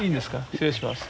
失礼します。